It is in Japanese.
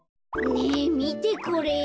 ねえみてこれ。